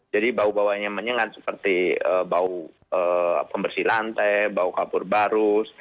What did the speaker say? jadi bau bauannya menyengat seperti bau pembersih lantai bau kabur barus